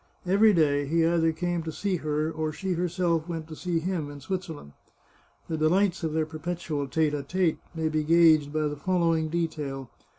Every day he either came to see her, or she herself went to see him in Switzerland. The delights of their perpetual tete d tete may be gauged by the following detail.